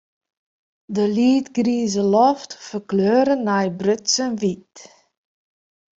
De leadgrize loft ferkleure nei brutsen wyt.